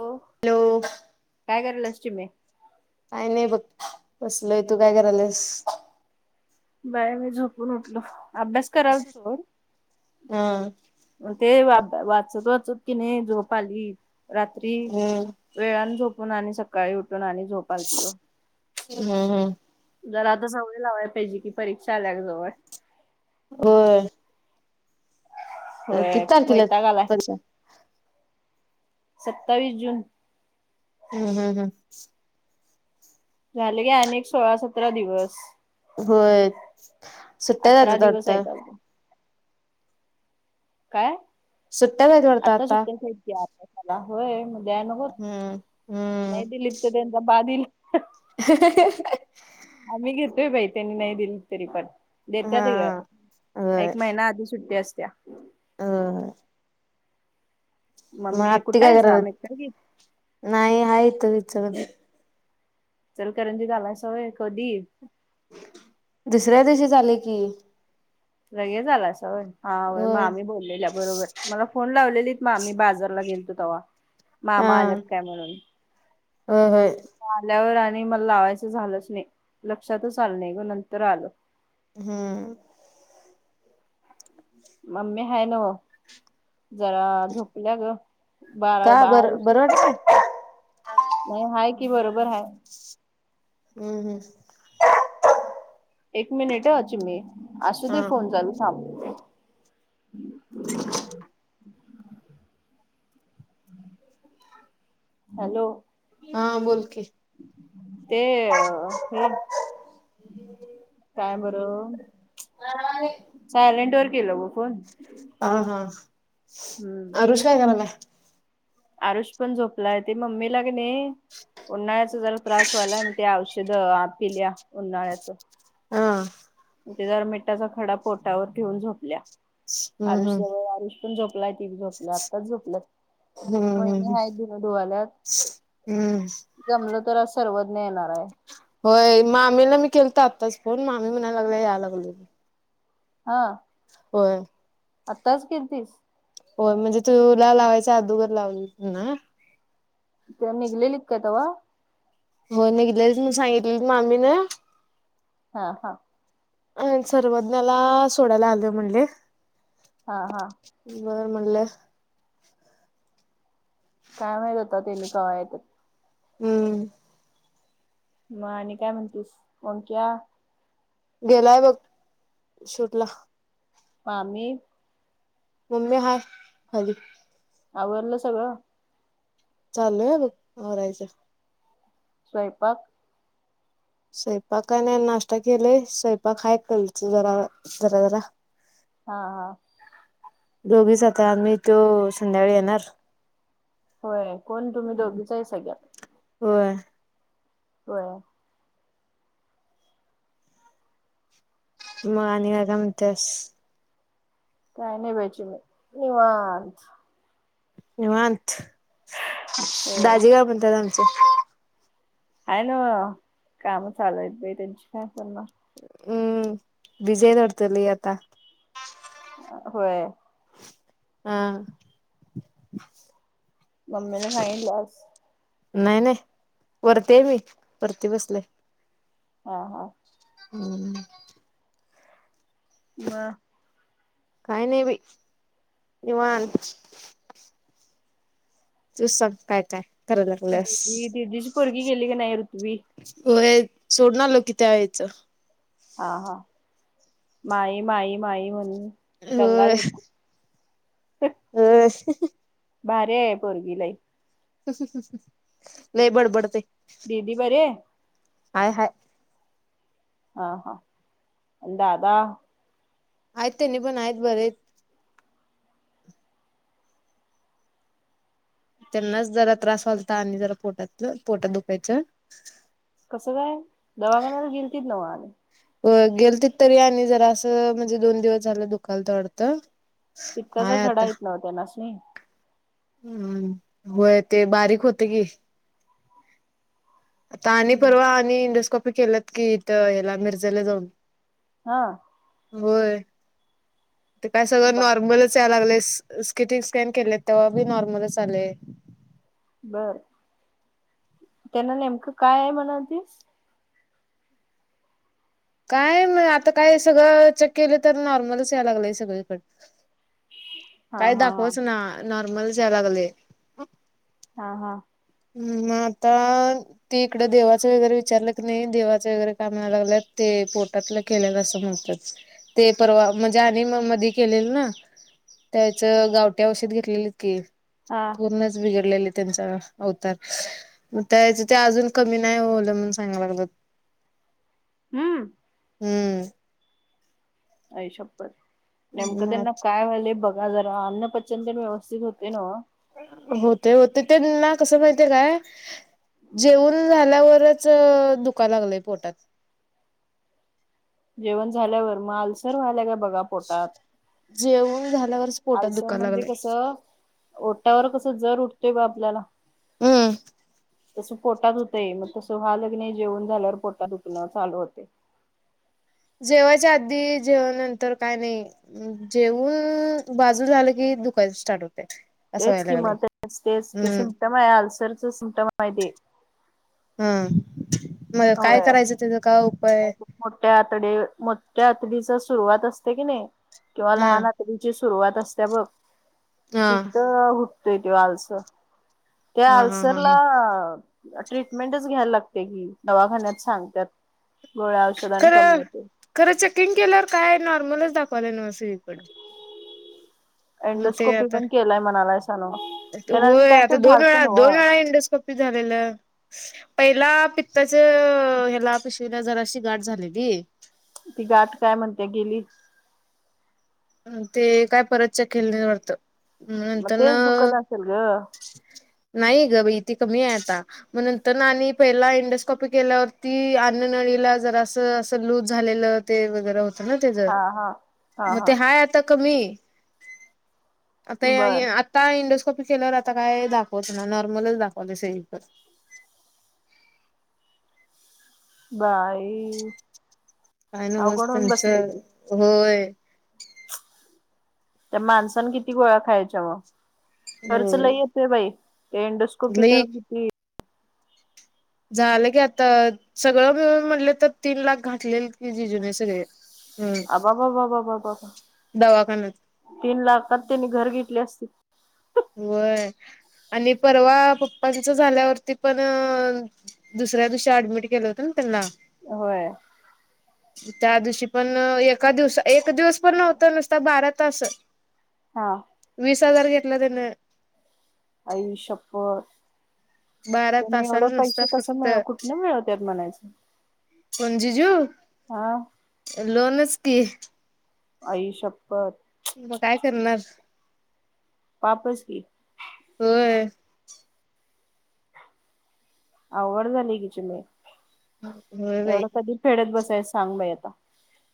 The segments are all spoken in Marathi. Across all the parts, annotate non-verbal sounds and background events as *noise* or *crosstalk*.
हो हॅलो काय करल्यास चिमे. काय नाही बघ बसलयं तू काय करायलास. बाय मी झोपून उठलो अभ्यास करायला सोडून हा मग ते वा वाचत वाचत की नाही झोप आली. रात्री हम्म वेळाने झोपून आणि सकाळी उठून आणि झोप आलती गं. हम्म हम्म. जरा आता सवय लावायला पाहिजे की परीक्षा आल्या जवळ. होय. किती होय तारखे ला वैताग आलाय परीक्षा? सत्तावीस जून. हम्म हम्म हम्म. झाले गं अनेक सोळा सतरा दिवस. होय सुट्ट्या हाय अठरा दिवस वाटतं. आहेत अजून काय सुट्ट्या जायत वाटतं आता सुट्ट्या त्या मला होय दया नग ग हम्म हम्म नाही दिलीत तर त्यांचा बा दिलं. *unintelligible* आम्ही घेतोयं बाई त्यांनी नाही दिली तरी पण देत्याग हा होय एक महिना आधी सुट्टी असत्या. होय मग मम्मी आत्ती काय कुठेंचं करायल्यात अमित कडे गेली. नाही आहे इथं दे. इचलकरंजीत आलाय सा कधी दुसऱ्या दिवशी झाले की. लगेचं आलंय अस होय हाय मग होय मामी बोललेल्या बरोबर मला फोन लावलेली. मामी बाजारला गेलेतो तेव्हा हा मामा आलेत काय म्हणून. होय होय. आल्यावर आणि मला लावायचं झालंच नाही लक्षातचं आलं नाही ग नंतर आलं. हम्म, मम्मी आहेना वं जरा झोपल्या ग बारा का बरं बारर्शी. बरं वाटतंय नाही हा हायकी की बरोबर आहे. हम् हम्म, एक मिनिट आहे अची मी असुदे फोन हम्म चालू थांब. हॅलो! हा हा बोल की ते हे. काय आये. सायलेंटवर वर केलं गं फोनं. ह हम्म हाआरुष आहे का बघा. अरुष पण झोपलायं ते मम्मीलानय कीं नाही उन्हाळ्याचा जरा त्रास व्हायलायं मग ते औषधं. द आप येईलं उन्हाळ्याचं हा. ते जर मिठाचा खडा पोटावर ठेऊन झोपल्या, हम्म आरुष जवळ आरुष झोपलायं ती झोपलं आताचं झोपलयं, हम्म वहिणी हम्म हायत धुणं धुवालायत. हम्म जमलं तर आज सर्वज्ञ् येणार आहे. होय मामीला मी केला तर आत्ताच फोन मामी म्हणयला या लागले. हा. हो. आत्ताच केलतीस. हो म्हणजे तुला लावायच अदोगर लावून ना, इ म निगललेलिक कायतववा हो निघले म सांगितली मामी ना हा हा अ सर्वज्ञाला सोडायला आलं म्हणले, हा हा बर म्हले. काय माहत होत त्यांनी कवा येत हम्म म आणि काय म्हणतीस ंकिया गेलाय बघ शूट ला, मामी मम्ी हाय खाली. आवरल सगळं चालूय बघ आवरायचा स्वयंपाक स्वयंपाक नाही, नाश्ता केलेय स्वयंपाका कल जरा जरा जरा हा हा दोघीचात आ मी तो संध्याकाळी येणार होय कोण तुम्ही दोघीच हायसा आता. होय. होय. मग आणि काय काय म्हणत्यास. काय नाही चिमे निवांत. निवांत होय दाजी काय म्हणतात आमचे आहे नव काम चालूयत बाई त्यांची. हम्म विजय नोडतली आता. होय. हा. मम्मीला सांगितल्यास क्लास. नाही नाही वरती आहे मी परती बसलेय. हा हा. हम्. म काही नाही बाई निवान. तू सांग काय काय. कराय लागल्यास दिदी दिदीची पोरगी गेली की, नाही ऋतवी. होय सोडून आलो की त्या आईच यायचं. हा हा माई माई माई म्हणून गंगा *unintelligible* दर ह *unintelligible* भर्या आहे पोरगी लय. *unintelligible* लय बडबडते दिदी बरी आहे. हाय हाय. हा हा आणि दादा. आय ते नि पण हाय बरे आहेत. त्यांनाच जरा त्रास वाजता आणि जरा पोटात, पोटात दुखायच कसं काय दवाखान्याला गेलतीत नव्ह आणि. गेलतीत तरी आणि जरा असं म्हणजे दोन दिवस झाल दुखालत वाटत. पित्ताचा खडा आहित नव्ह त्यनासनी हम, होय ते बारीक होतय की आता आणि परवा आणि इंडोस्कोपी केल्यात कि इथ हेला मिरजला जाऊन हा. होय ते काय सगळं ब नॉर्मलच. च यायला लागलंय सिटी स्कॅन केल्यात त्यावेळा बी नॉर्मलच आलय. बर, त्यांना नेमकं काय हाय म्हणालतीस काय म आता काय सगळं चेक केलं तर नॉर्मलच याय लागलंय सगळीकड. हा काय हा हा दाखवच ना नॉर्मलच याय लागलय हा हा हम् म आता. ते इकडं देवाचं वगैरे विचारलं की. नाही देवाचं वगैरे कामय म्हणायला लागल्यात ते पोटातलं केले असं म्हणत्यात ते परवा म्हणजे आणि मध केलेल ना. त्याचं गावठी औषध घेतलेलं की हा पूर्णच बिघडल्याली त्यांचा होतात. मग तिथं अजून कमी नाही होल म्हणून सांगाल्यात बग *inaudible* हम्म! हम्म आई शप्पथ! नेमकं त्यांना काय व्हायलय बघ जरा अन्न पचन तेन व्यवस्थित होतय नव्ह? होतंय, होतंय त्यांना कस माहितीय काय जेऊन झाल्यावरच दुखाय लागलंय पोटात जेवण झाल्यावर, मग आलसर झालाय काय बघा पोटात. जेऊन झाल्यावरच पोटात आलसर दुखा म्हणजे लागलंय कसं ओटावर कसं जर उठतय बा आपल्याला हम तसं पोटात होतंय मग तस हा लग्न जेवून झाल्यावर पोटात उुतन चालू होते जेवायच्या आधी जेव नंतर काय नाही जेवन बाजू झालं की दुकाय स्टार्ट होते असं तेच व्हायला लागले किंमत तेच ते हम्म सिम्टम आहे अल्सरच सिम्टम आहे ते हा मग काय होय करायचं त्याचा काय उपाय मोठ्या आतडी मोठ्या आतडीचा सुरुवात असते की नाही किंवा हा लहान ची सुरुवात असत्या बघ हा तिथं उटतय त आलच त्या हा हा हा आल्सरला हा ट्रीटमेंटच घ्यायला लागते की दवाखान्यात सांगतात गोळ्या औषधान कमी खरं होते खरं चेकिंग केल्यावर काय नॉर्मलच दाखवावलाय न सिरीकडे मग ते एंडोस्कोपी आता पण केलाय म्हणालायसा नव्ह त्याला मी होय काय आता तर दोन झालत वेळा दोन नव्ह वेळा इंडस्कोप झालेलं पहिला पित्ताच ह्याला पिशवीला जराशी गाठ झालेली ती गाठ काय म्हणते गेली ते काय परतच्या खेल्वरतं मग नंतर न तेच दुखत असेल ग नाही ग बा ती कमी आहे आता मग नंतर ना आणि पहिला इंडोस्कॉपी केल्यावरती अन्ननळीला जरा असं अस लूज झालेलं ते वगैरे होतं ना त्या जर हा हा हा हा काय आता कमी आता बर का इंडोस्कॉपी केल्यावर आता काय दाखवत ना नॉर्मलच दाखवले सगळीकडे बाय काय नव त्यांच की होय. त्या माणसान किती गोळा्या खायच्या व खर्च होय येतेय बाई ते इंडस्ट कुपित लई होतीत. झालं की आता सगळं मिळून म्हटले तर तीन लाख घातलेल की जिजूने सगळे. आबाबाबाबाबाबा हम्म दवाखान्यात. तीन लाख त्यांनी घर घेतले असतीत. वय आणि परवा पप्पाच झाल्यावरती पण दुसऱ्या दिवशी अऍडमिट केलं होत, ना त्यांना. होय. त्या दिवशी पण एका दिवस एक दिवस पण नव्हत नुसता बारात तस. हा वीस हजार घेतला त्यान. आई शपत. बारा त्या एवढं तासाला नुसता पैसे कस फक्त मिळ कुठन मिळव त्यात म्हणायचं. कोण जीजू हा लोणच की. आई शप्पत. मग काय करणार. पापच की, होय. आवड झाली कि, चीमे होय बाई एवढ कधी फेडत बसायच सांग बाई आता?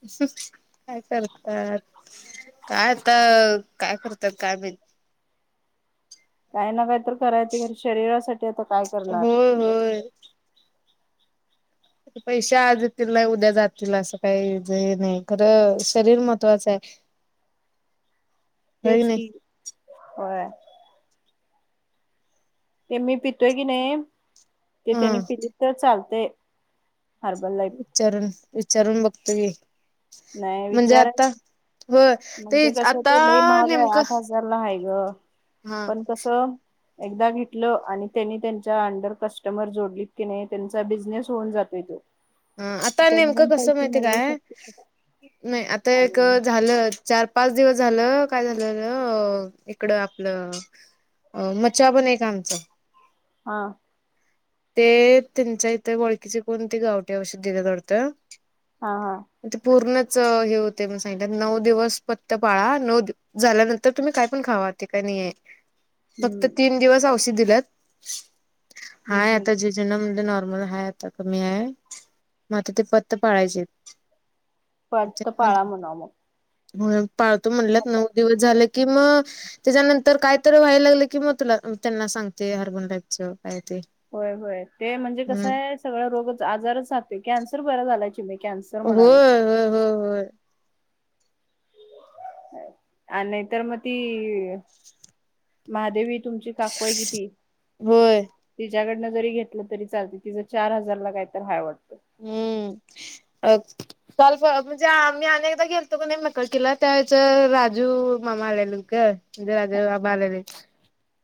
काय करतात कायता काय करतात काम? काही ना काय तर कराय ते शरीरासाठी आता काय करणार? ह. पैसे आजतील नाही उद्या जातील असं काही हे नाही खरं शरीर महत्त्वाचं आहे. *inaudible* तेच नाही की होय. ते मी पितोय की नाही ते त्यांनी हा पि तर चालतय. हरबल ला विचारून विचारून बघतोय. नाही म्हणजे विचार आता हो ते आता नेमकं झाला ह ग हा पण कस? एकदा घेतलं आणि त्यांनी त्यांच्या अंडर कस्टमर जोडलीत की नाही त्यांचा बिझनेस होऊन जातो तो ह आता त्याने नेमकं पण कसं पैसे माहितीय मिळवू काय शकते नाही आता एक आणि झालं. चार पाच दिवस झालं काय झालंलं इकडं आपलं. अ म्चा पण एक का आमचा हां. ते त्यांच्या इथे ओळखीचे कोणती गावट औषध दिले डत हा हा. ते पूर्णच हे होते म सांगित नऊ दिवस पत्त पाळा नऊ झाल्यानंतर तुम्ही काय पण खावा. ा फक्त हम्म तीन दिवस औष दि हाय हम्म आ. हम् जेनमध्ये नॉर्मल हा आता कमी आहे. मात्र ते पत्त पाळायचे. फक्त पाळा म्हणाव मग पाळतो मग म्हणल्यात काय? नऊ दिवस झालं की मग त्याच्यानंतर कायतरी व्हायला लागलं की मग तुला त्यांना सांगते हरमनराचं काय ते होय होय ते म्हणजे कसं हम्म आहे सगळ रोग आजारच राातो कॅन्सर बरा्या झालायची म होय होय होय होय. आणि नाहीतर मग ती महादेवी तुमची काकोय किती? होय तिच्याकडनं जरी घेतलं तरी चालते तिचं चार हजारला काय तर हाय वाटतं. हम्म. काल म्हणजे आम्ही अनेकदा गेलतो का नाहीे नककीिला त्याच राजू मामा आलेलोक जेवरा देेव आबा आलेले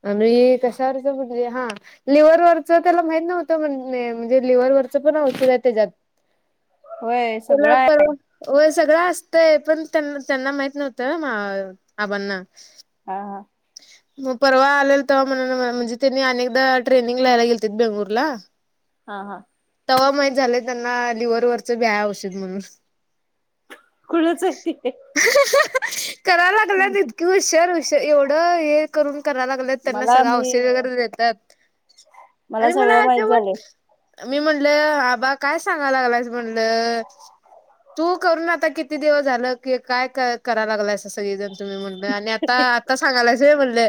आ मी कशावरच बजली हा. लिव्हवरचं त्याला माहित नव्हतं म्हण म्हणजे लिव्हवरचं पण औध त्याला होय सगळं आहे आप हो सगळं असतय पण त्यां त्यांना माहित नव्हतं आबांना हा हा. मग परवा आलेल तर म्हण म्हणजे त्यांनी अनेकदा ट्रेनिंग लाहायला गेलेतील बेंगुरला *inaudible* हां हां. तवा माहीत झालंय त्यांना लिव्हरवररच व्याया आवशित म्हणून कुळच? करा लागला इतक हशार हश एवढं हे करून करा लाग. त्यांना मला सग मी औषधी वगैरे देतात आणि सगळं मला जे माहित वाट. झालंय मी म्हणल आबा काय सांगाय लागालायचं म्हणल. तू करून आता किती दिवस झालं कि काय कराय लागला असं सगळेजण तुम्ही म्हणलं आणि आता म्हणले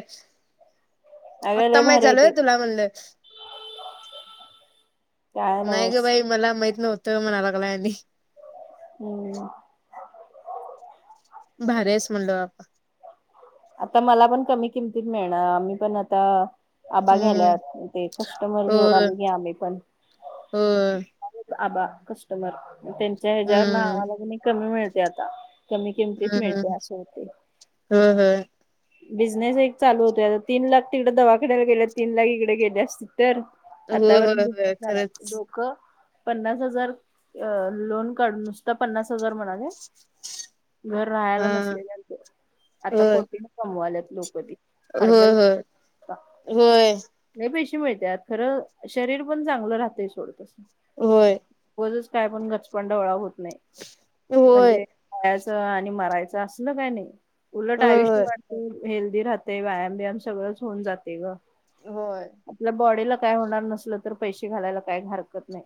अगं आता लय माही भारी आहे झालय ते तुला म्हणलं. काय नाही ग नव्हच. बाई मला माहत नव्हतं म्हणालागला. हम्म. भरच म्हणलो आप आता मला पण कमी किमतीत मिळणार आम्ही पण आता आबा हम्म घ्याल्यात ते कस्टमर होय जोडाले गे आले पण. होय आबा कस्टमर त्यांच्या ह्याच्यावर नाव हम्म आले कनी कमी मिळते आता. कमी किमतीत मिळत असे होतय. हं हं! बिझनेस एक चालू होतोय आता तीन लाख तिकडे दवाखाण्याला गेलेत तीन लाख इकडे गेले अस तर होय होय आतावर बिझनेस होय झाला खरंच लोक पन्नास हजार अ लोन काढ नुसत पन्नास हजार म्हणाले घर राहायला हा नसलेल्यांत आता होय कोटी न कमवाल्यात लोकती. होय हर्बल होय होय लई पेशे मिळत्यात खरं शरीर पण चांगलं राहतंय सोडतस. होय! *unintelligible* होय होय खायचं आणि मरायचं असल काय नाही उलट आयुष्य होय वाट हेल्दी राहतय व्यायाम बियाम सगळच होऊन जातय ग होय आपल्या बॉडीला काय होणार नसल, तर पैसे घालायला काय हरकत नाही.